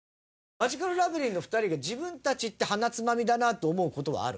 マヂカルラブリーの２人が自分たちってはなつまみだなって思う事はある？